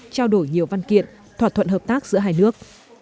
trao đổi nhiều văn kiện thỏa thuận hợp tác giữa hai nước